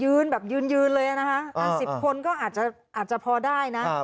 ยืนแบบยืนเลยนะฮะ๑๐คนก็อาจจะพอได้นะ